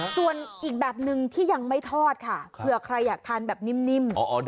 ส่วนอีกแบบนึงที่ยังไม่ทอดค่ะเผื่อใครอยากทานแบบนิ่ม